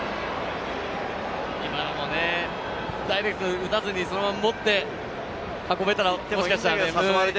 今のもダイレクトに打たずにそのまま持って運べたら、もしかしたら。